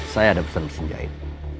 saya ada pesan pesan jahit